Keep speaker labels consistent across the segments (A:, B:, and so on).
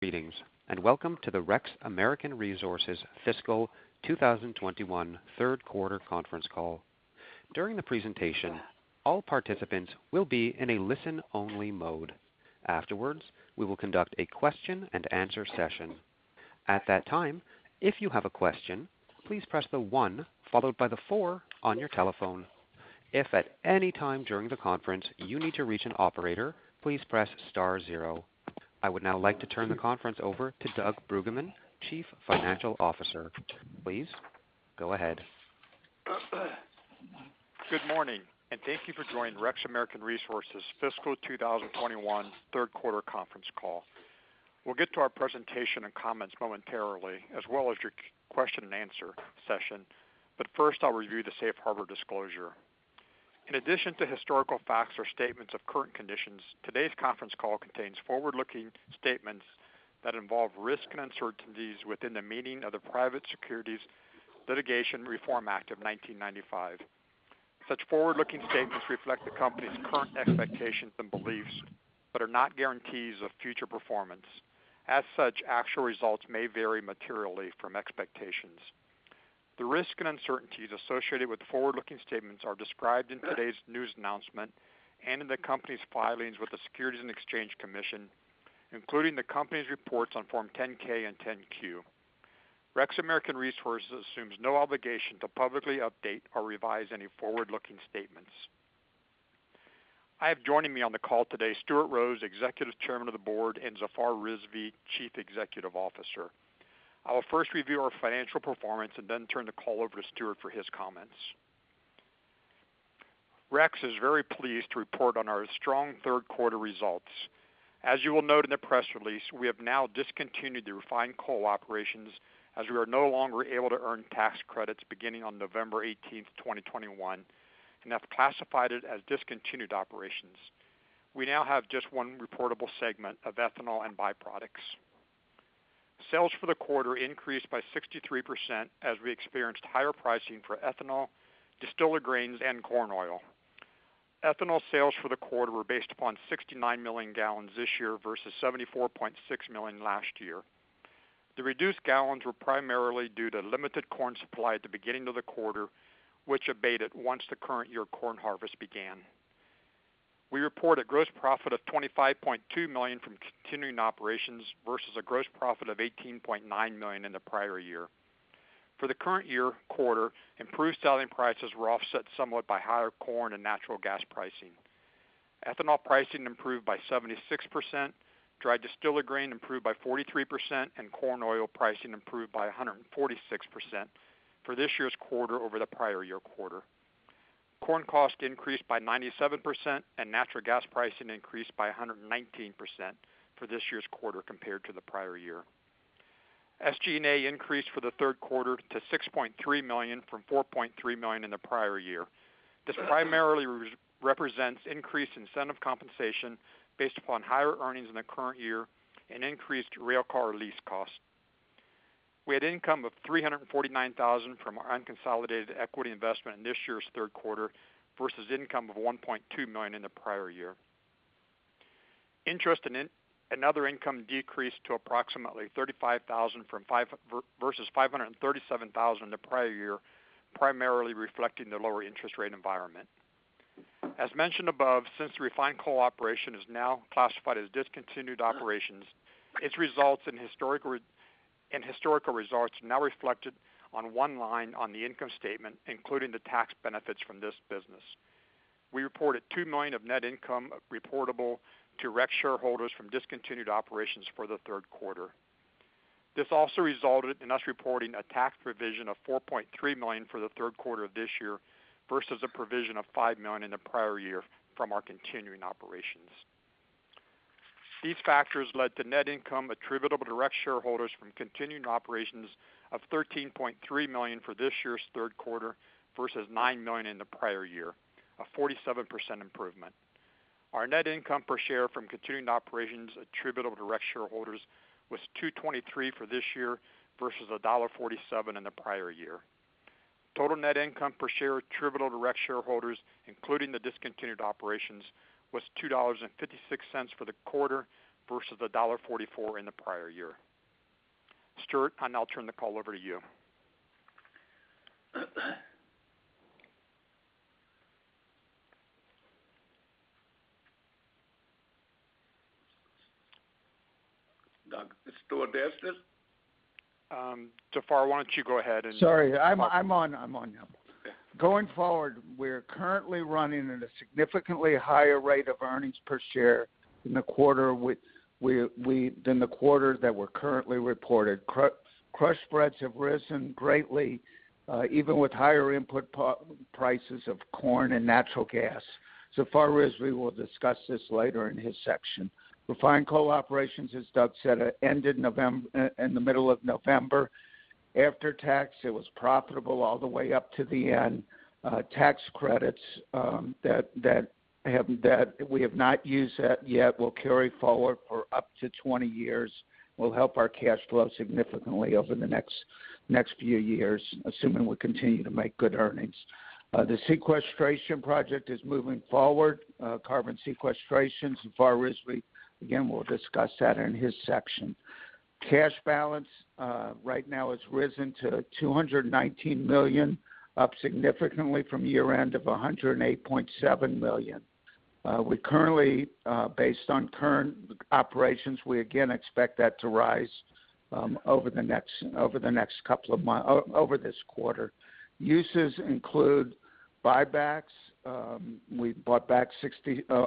A: Greetings and welcome to the REX American Resources Fiscal 2021 Third Quarter Conference Call. During the presentation, all participants will be in a listen-only mode. Afterwards, we will conduct a question and answer session. At that time, if you have a question, please press one followed by four on your telephone. If at any time during the conference you need to reach an operator, please press star zero. I would now like to turn the conference over to Doug Bruggeman, Chief Financial Officer. Please go ahead.
B: Good morning, and thank you for joining REX American Resources fiscal 2021 third quarter conference call. We'll get to our presentation and comments momentarily as well as your question and answer session, but first I'll review the safe harbor disclosure. In addition to historical facts or statements of current conditions, today's conference call contains forward-looking statements that involve risk and uncertainties within the meaning of the Private Securities Litigation Reform Act of 1995. Such forward-looking statements reflect the company's current expectations and beliefs, but are not guarantees of future performance. As such, actual results may vary materially from expectations. The risks and uncertainties associated with forward-looking statements are described in today's news announcement and in the company's filings with the Securities and Exchange Commission, including the company's reports on Form 10-K and 10-Q. REX American Resources assumes no obligation to publicly update or revise any forward-looking statements. Joining me on the call today are Stuart Rose, Executive Chairman of the Board, and Zafar Rizvi, Chief Executive Officer. I will first review our financial performance and then turn the call over to Stuart for his comments. REX is very pleased to report on our strong third quarter results. As you will note in the press release, we have now discontinued the refined coal operations as we are no longer able to earn tax credits beginning on November 18, 2021 and have classified it as discontinued operations. We now have just one reportable segment of ethanol and byproducts. Sales for the quarter increased by 63% as we experienced higher pricing for ethanol, distillers grains, and corn oil. Ethanol sales for the quarter were based upon 69 million gallons this year versus 74.6 million last year. The reduced gallons were primarily due to limited corn supply at the beginning of the quarter, which abated once the current year corn harvest began. We report a gross profit of $25.2 million from continuing operations versus a gross profit of $18.9 million in the prior year. For the current year quarter, improved selling prices were offset somewhat by higher corn and natural gas pricing. Ethanol pricing improved by 76%, dried distillers grains improved by 43%, and corn oil pricing improved by 146% for this year's quarter over the prior year quarter. Corn cost increased by 97%, and natural gas pricing increased by 119% for this year's quarter compared to the prior year. SG&A increased for the third quarter to $6.3 million from $4.3 million in the prior year. This primarily represents increased incentive compensation based upon higher earnings in the current year and increased railcar lease costs. We had income of $349,000 from our unconsolidated equity investment in this year's third quarter versus income of $1.2 million in the prior year. Interest and another income decreased to approximately $35,000 versus $537,000 in the prior year, primarily reflecting the lower interest rate environment. As mentioned above, since the refined coal operation is now classified as discontinued operations, its results and historical results are now reflected on one line on the income statement, including the tax benefits from this business. We reported $2 million of net income reportable to REX shareholders from discontinued operations for the third quarter. This also resulted in us reporting a tax provision of $4.3 million for the third quarter of this year versus a provision of $5 million in the prior year from our continuing operations. These factors led to net income attributable to REX shareholders from continuing operations of $13.3 million for this year's third quarter versus $9 million in the prior year, a 47% improvement. Our net income per share from continuing operations attributable to REX shareholders was $2.23 for this year versus $1.47 in the prior year. Total net income per share attributable to REX shareholders, including the discontinued operations, was $2.56 for the quarter versus $1.44 in the prior year. Stuart, I'll now turn the call over to you.
C: Doug, is Stuart there still?
B: Zafar, why don't you go ahead.
D: Sorry, I'm on now. Going forward, we're currently running at a significantly higher rate of earnings per share in the quarter than the quarter that we currently reported. Crush spreads have risen greatly, even with higher input prices of corn and natural gas. Zafar Rizvi will discuss this later in his section. Refined coal operations, as Doug said, ended in the middle of November. After tax, it was profitable all the way up to the end. Tax credits that we have not used yet will carry forward for up to 20 years, will help our cash flow significantly over the next few years, assuming we continue to make good earnings. The sequestration project is moving forward, carbon sequestration. Zafar Rizvi, again, will discuss that in his section. Cash balance right now has risen to $219 million, up significantly from year-end of $108.7 million. We currently, based on current operations, we again expect that to rise over this quarter. Uses include buybacks. We bought back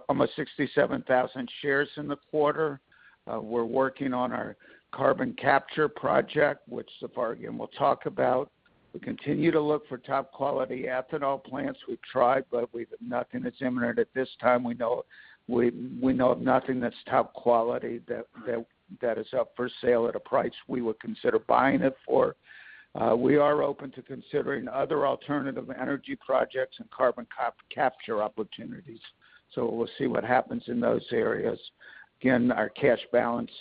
D: almost 67,000 shares in the quarter. We're working on our carbon capture project, which Zafar will talk about. We continue to look for top quality ethanol plants. We've tried, but we've nothing that's imminent at this time. We know of nothing that's top quality that is up for sale at a price we would consider buying it for. We are open to considering other alternative energy projects and carbon capture opportunities. We'll see what happens in those areas. Again, our cash balance,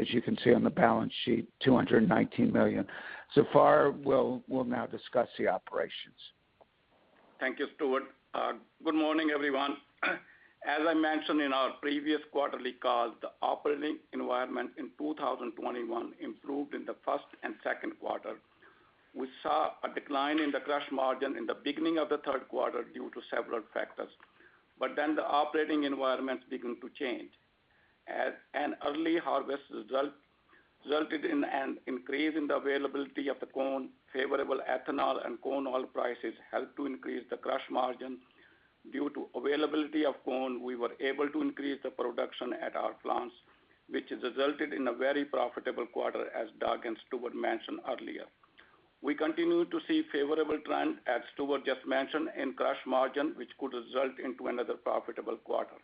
D: as you can see on the balance sheet, $219 million. Zafar will now discuss the operations.
C: Thank you, Stuart. Good morning, everyone. As I mentioned in our previous quarterly calls, the operating environment in 2021 improved in the first and second quarter. We saw a decline in the crush margin in the beginning of the third quarter due to several factors. The operating environment began to change. As an early harvest resulted in an increase in the availability of the corn, favorable ethanol and corn oil prices helped to increase the crush margin. Due to availability of corn, we were able to increase the production at our plants, which has resulted in a very profitable quarter, as Doug and Stuart mentioned earlier. We continue to see favorable trends, as Stuart just mentioned, in crush margin, which could result into another profitable quarter.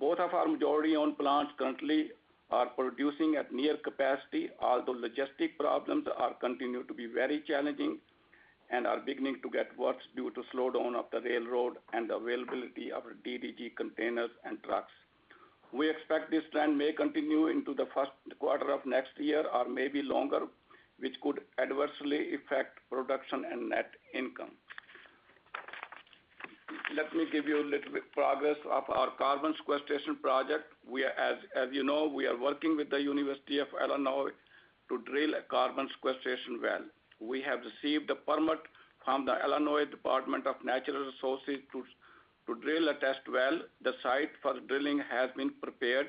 C: Both of our majority-owned plants currently are producing at near capacity, although logistic problems are continued to be very challenging and are beginning to get worse due to slowdown of the railroad and availability of DDG containers and trucks. We expect this trend may continue into the first quarter of next year or maybe longer, which could adversely affect production and net income. Let me give you a little bit of progress of our carbon sequestration project. We are, as you know, working with the University of Illinois to drill a carbon sequestration well. We have received the permit from the Illinois Department of Natural Resources to drill a test well. The site for drilling has been prepared.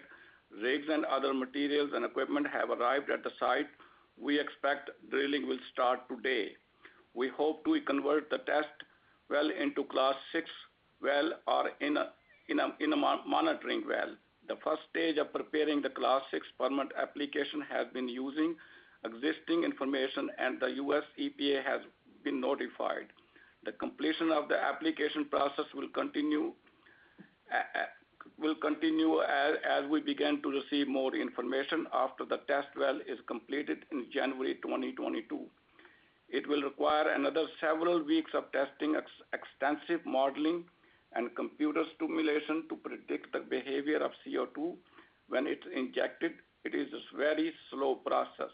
C: Rigs and other materials and equipment have arrived at the site. We expect drilling will start today. We hope to convert the test well into Class VI well or a monitoring well. The first stage of preparing the Class VI permit application has been using existing information and the USEPA has been notified. The completion of the application process will continue as we begin to receive more information after the test well is completed in January 2022. It will require another several weeks of testing extensive modeling and computer simulation to predict the behavior of CO2 when it's injected. It is a very slow process.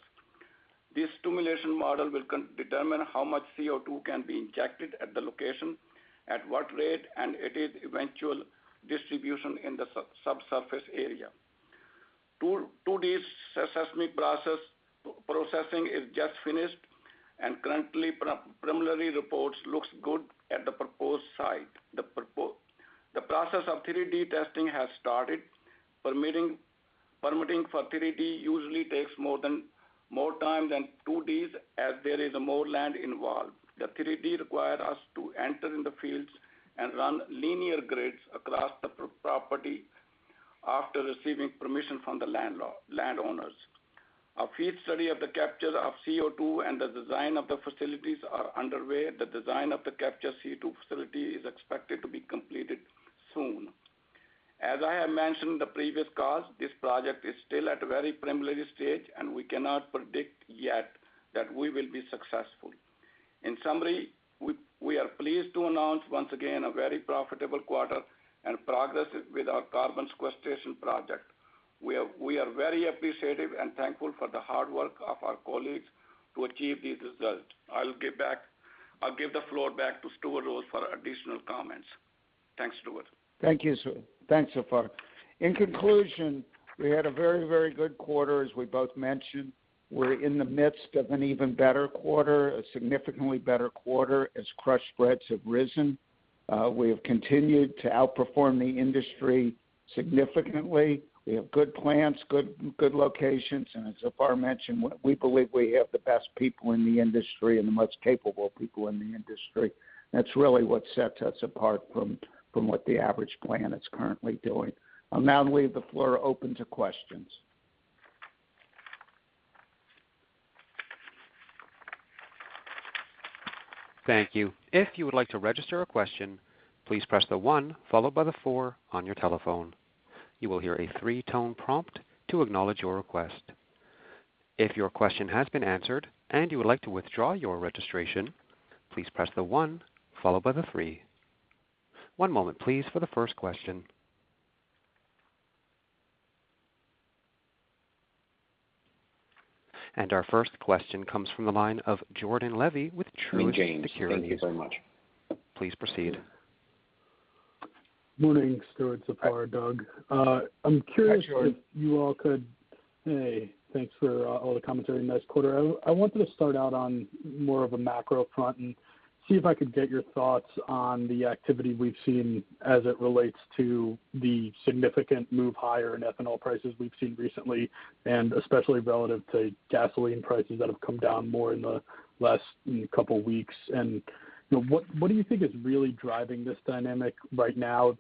C: This simulation model will determine how much CO2 can be injected at the location, at what rate, and its eventual distribution in the subsurface area. 2D seismic processing is just finished and currently preliminary reports look good at the proposed site. The process of 3D testing has started. Permitting for 3D usually takes more time than 2Ds as there is more land involved. The 3D require us to enter in the fields and run linear grids across the property after receiving permission from the landowners. A field study of the capture of CO2 and the design of the facilities are underway. The design of the capture CO2 facility is expected to be completed soon. As I have mentioned in the previous calls, this project is still at a very preliminary stage, and we cannot predict yet that we will be successful. In summary, we are pleased to announce once again a very profitable quarter and progress with our carbon sequestration project. We are very appreciative and thankful for the hard work of our colleagues to achieve these results. I'll give the floor back to Stuart Rose for additional comments. Thanks, Stuart.
D: Thank you, thanks, Zafar. In conclusion, we had a very good quarter, as we both mentioned. We're in the midst of an even better quarter, a significantly better quarter as crush spreads have risen. We have continued to outperform the industry significantly. We have good plants, good locations, and as Zafar mentioned, we believe we have the best people in the industry and the most capable people in the industry. That's really what sets us apart from what the average plant is currently doing. I'll now leave the floor open to questions.
A: Thank you, If you will like to register a question, please press the one followed by the four on your telephone. You will hear a three tone prompt to acknowledge your request. If your question has been answered and you will like to withdraw your registration, please press the one followed by the three. One moment please for the first question. Our first question comes from the line of Jordan Levy with Truist Securities.
D: Good evening. Thank you very much.
A: Please proceed.
E: Morning, Stuart, Zafar, Doug. I'm curious-
D: Hi, Jordan.
E: Hey, thanks for all the commentary in this quarter. I wanted to start out on more of a macro front and see if I could get your thoughts on the activity we've seen as it relates to the significant move higher in ethanol prices we've seen recently, and especially relative to gasoline prices that have come down more in the last couple weeks. You know, what do you think is really driving this dynamic right now?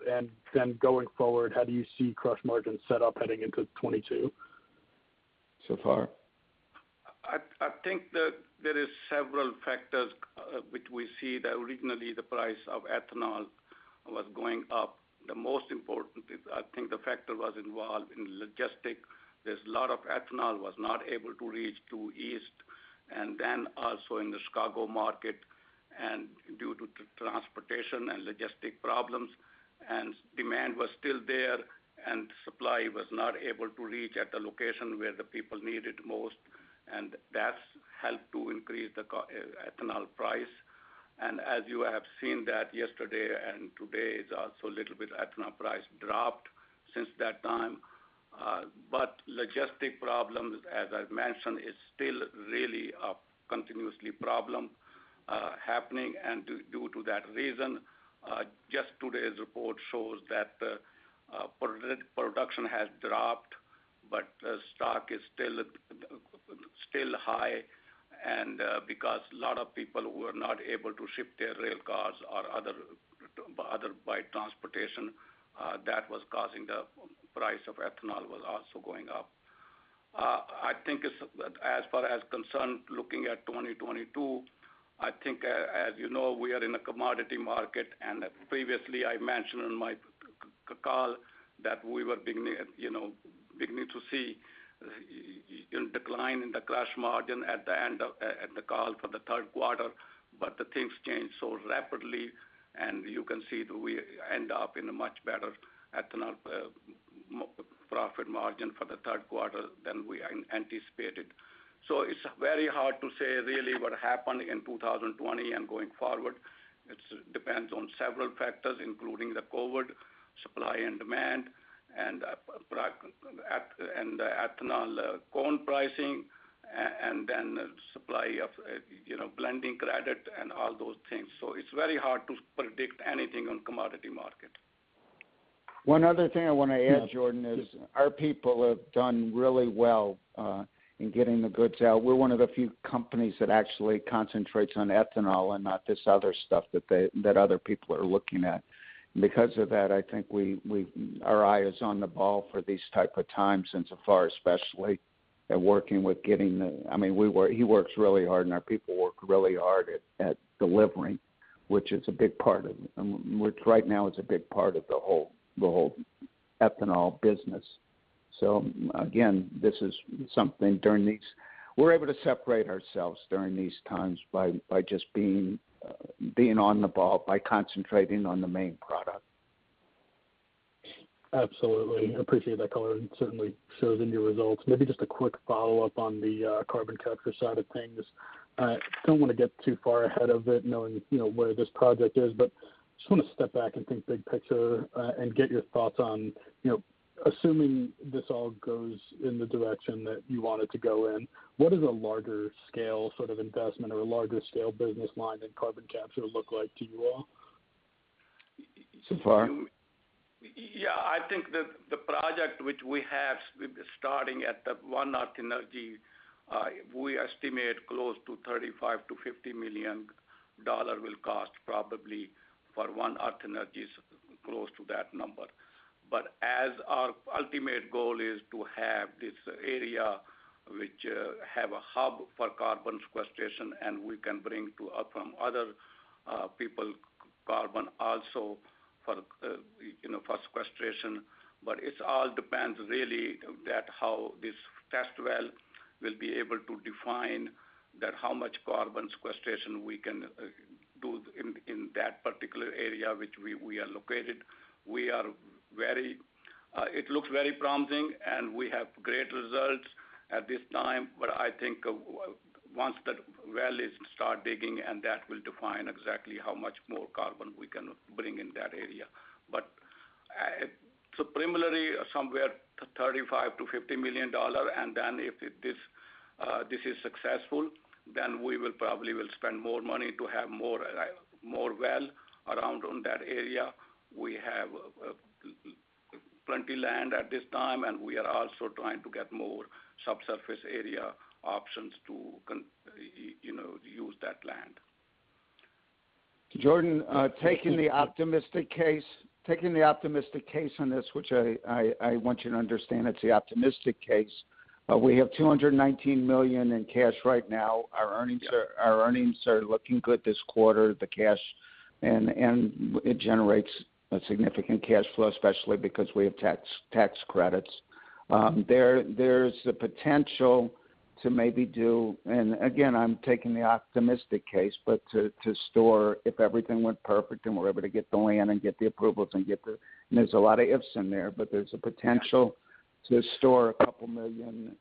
E: Then going forward, how do you see crush margins set up heading into 2022?
D: Zafar?
C: I think that there is several factors, which we see that originally the price of ethanol was going up. The most important is I think the factor was involved in logistics. There's a lot of ethanol was not able to reach to East, and then also in the Chicago market. Due to transportation and logistics problems, and demand was still there, and supply was not able to reach at the location where the people need it most. That's helped to increase the ethanol price. As you have seen that yesterday and today, it's also little bit ethanol price dropped since that time. Logistics problems, as I've mentioned, is still really a continuously problem, happening. Due to that reason, just today's report shows that production has dropped, but stock is still high and because a lot of people were not able to ship their rail cars or other by transportation, that was causing the price of ethanol was also going up. I think as far as I'm concerned looking at 2022, I think, as you know, we are in a commodity market, and previously I mentioned in my call that we were beginning, you know, to see decline in the crush margin at the call for the third quarter. The things changed so rapidly, and you can see that we end up in a much better ethanol profit margin for the third quarter than we anticipated. It's very hard to say really what happened in 2020 and going forward. It depends on several factors, including the COVID supply and demand and ethanol and corn pricing and then supply of, you know, blending credit and all those things. It's very hard to predict anything on commodity market.
D: One other thing I wanna add, Jordan, is our people have done really well in getting the goods out. We're one of the few companies that actually concentrates on ethanol and not this other stuff that other people are looking at. Because of that, I think our eye is on the ball for these type of times, and Zafar especially. I mean, he works really hard, and our people work really hard at delivering, which right now is a big part of the whole ethanol business. We're able to separate ourselves during these times by just being on the ball by concentrating on the main product.
E: Absolutely. Appreciate that color, and certainly shows in your results. Maybe just a quick follow-up on the carbon capture side of things. Don't wanna get too far ahead of it knowing, you know, where this project is, but just wanna step back and think big picture, and get your thoughts on, you know, assuming this all goes in the direction that you want it to go in, what is a larger scale sort of investment or a larger scale business line than carbon capture look like to you all?
D: Zafar?
C: Yeah. I think the project which we have starting at the One Earth Energy, we estimate close to $35 million-$50 million will cost probably for One Earth Energy is close to that number. As our ultimate goal is to have this area which have a hub for carbon sequestration, and we can bring from other people carbon also for you know for sequestration. It all depends really that how this test well will be able to define that how much carbon sequestration we can do in that particular area which we are located. It looks very promising, and we have great results at this time. I think once the well is start digging, and that will define exactly how much more carbon we can bring in that area. Primarily somewhere $35 million-$50 million. Then if this is successful, we will probably spend more money to have more wells around on that area. We have plenty land at this time, and we are also trying to get more subsurface area options to confirm, you know, use that land.
D: Jordan, taking the optimistic case on this, which I want you to understand it's the optimistic case. We have $219 million in cash right now. Our earnings are looking good this quarter. The cash and it generates a significant cash flow, especially because we have tax credits. There's the potential. Again, I'm taking the optimistic case. To store if everything went perfect and we're able to get the land and get the approvals. There's a lot of ifs in there, but there's a potential to store a couple million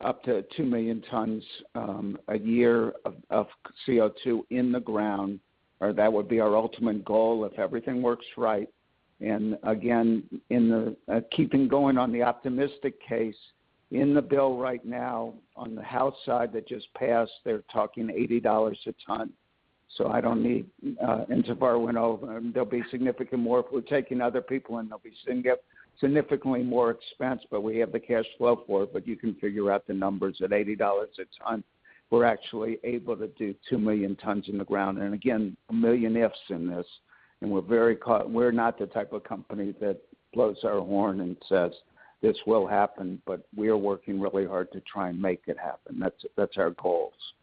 D: up to 2 million tons a year of CO2 in the ground, that would be our ultimate goal if everything works right. Keeping going on the optimistic case, in the bill right now on the House side that just passed, they're talking $80 a ton. So I don't need, and so far we've gone over. There'll be significant more if we're taking other people in, there'll be significantly more expense, but we have the cash flow for it, but you can figure out the numbers at $80 a ton. We're actually able to do 2 million tons in the ground. A million ifs in this. We're not the type of company that blows our horn and says, "This will happen," but we are working really hard to try and make it happen." That's our goals.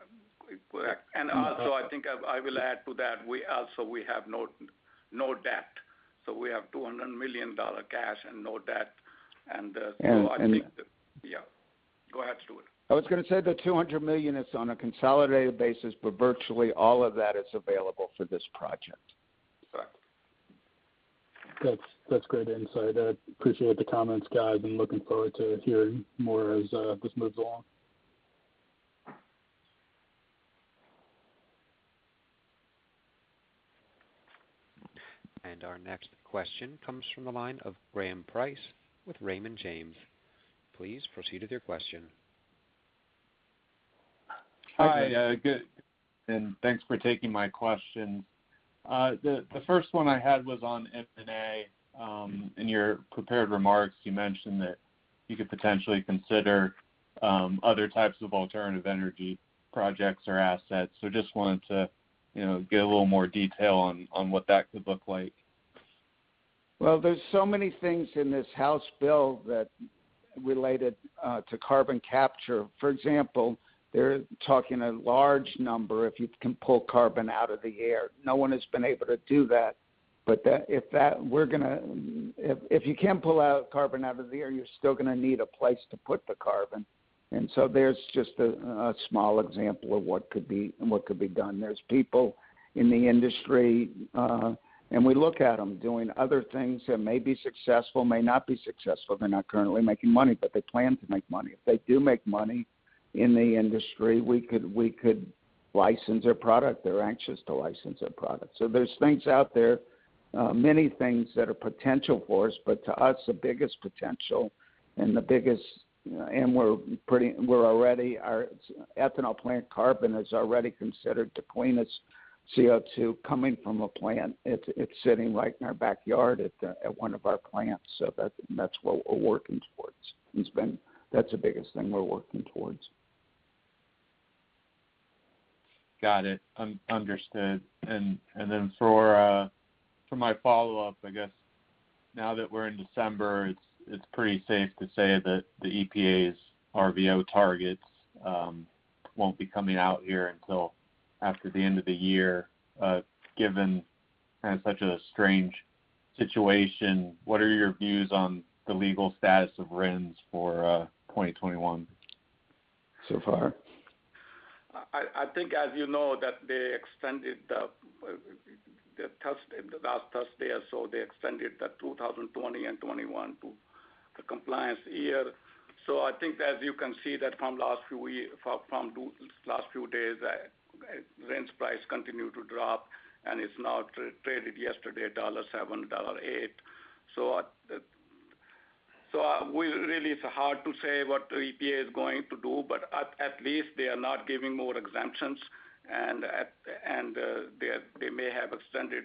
C: I think I will add to that. We also have no debt. We have $200 million cash and no debt. I think the... Yeah. Go ahead, Stuart.
D: I was gonna say the $200 million is on a consolidated basis, but virtually all of that is available for this project.
C: Right.
E: That's great insight. I appreciate the comments, guys, and looking forward to hearing more as this moves along.
A: Our next question comes from the line of Graham Price with Raymond James. Please proceed with your question.
F: Hi, good. Thanks for taking my questions. The first one I had was on M&A. In your prepared remarks, you mentioned that you could potentially consider other types of alternative energy projects or assets. Just wanted to, you know, get a little more detail on what that could look like.
D: Well, there's so many things in this House bill that related to carbon capture. For example, they're talking a large number if you can pull carbon out of the air. No one has been able to do that. If you can pull carbon out of the air, you're still gonna need a place to put the carbon. There's just a small example of what could be and what could be done. There's people in the industry, and we look at them doing other things that may be successful, may not be successful. They're not currently making money, but they plan to make money. If they do make money in the industry, we could license their product. They're anxious to license their product. There's things out there, many things that are potential for us, but to us, the biggest potential and the biggest and we're already our ethanol plant carbon is already considered the cleanest CO2 coming from a plant. It's sitting right in our backyard at one of our plants. That's what we're working towards. That's the biggest thing we're working towards.
F: Got it. Understood. For my follow-up, I guess now that we're in December, it's pretty safe to say that the EPA's RVO targets won't be coming out here until after the end of the year. Given kind of such a strange situation, what are your views on the legal status of RINs for 2021?
D: Zafar?
C: I think as you know that they extended the test, the last test day, so they extended 2020 and 2021 to the compliance year. I think as you can see that from last few days, RINs price continued to drop, and it's now traded yesterday $1.07, $1.08. It's really hard to say what the EPA is going to do, but at least they are not giving more exemptions. They may have extended.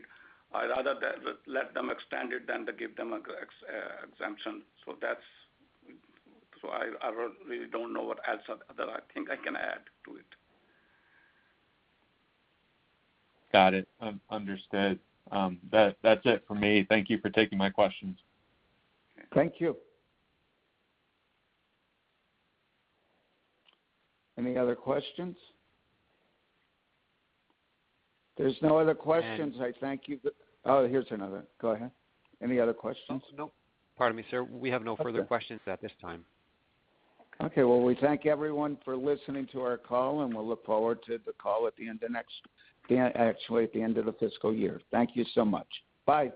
C: I'd rather they let them extend it than to give them exemption. That's it. I really don't know what else I think I can add to it.
F: Got it. Understood. That's it for me. Thank you for taking my questions.
D: Thank you. Any other questions? If there's no other questions, I thank you. Oh, here's another. Go ahead. Any other questions?
A: Nope. Pardon me, sir. We have no further questions at this time.
D: Okay. Well, we thank everyone for listening to our call, and we'll look forward to the call actually at the end of the fiscal year. Thank you so much. Bye.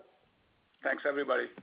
C: Thanks, everybody.